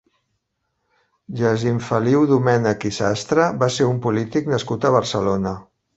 Jacint Feliu Domènech i Sastre va ser un polític nascut a Barcelona.